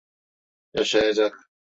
Yaşayacak.